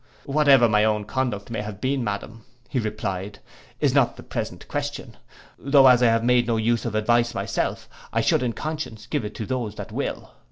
'—'Whatever my own conduct may have been, madam,' replied he, 'is not the present question; tho' as I have made no use of advice myself, I should in conscience give it to those that will.